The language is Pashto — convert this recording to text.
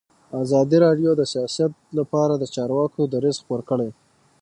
ازادي راډیو د سیاست لپاره د چارواکو دریځ خپور کړی.